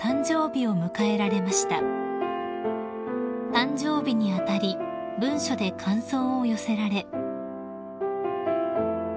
［誕生日に当たり文書で感想を寄せられ］